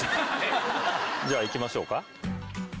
じゃあいきましょうか。